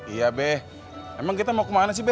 iya be emang kita mau kemana sih be